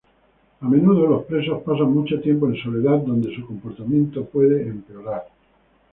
A menudo, los presos pasan mucho tiempo en soledad, donde su comportamiento puede empeorar.